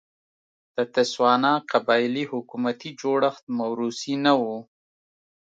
د تسوانا قبایلي حکومتي جوړښت موروثي نه و.